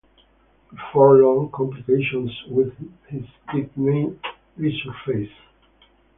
Before long, complications with his kidney resurfaced.